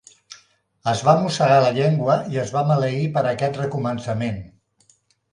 Es va mossegar la llengua i es va maleir per aquest recomençament.